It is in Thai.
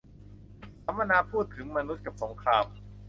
สัมมนาพูดถึงมนุษย์กับสงคราม